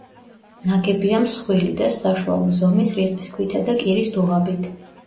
ნაგებია მსხვილი და საშუალო ზომის რიყის ქვითა და კირის დუღაბით.